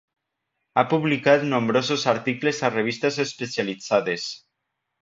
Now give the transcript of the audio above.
Ha publicat nombrosos articles a revistes especialitzades.